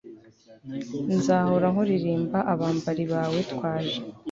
nzahora nkuririmba. abambari bawe twaje